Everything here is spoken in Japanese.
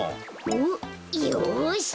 おっよし！